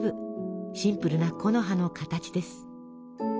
シンプルな木の葉の形です。